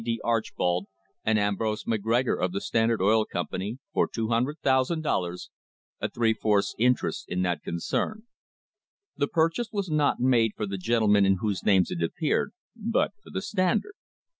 D. Arch bold and Ambrose McGregor of the Standard Oil Company, for $200,000, a three fourths interest in that concern. The purchase was not made for the gentlemen in whose names it appeared, but for the Standard.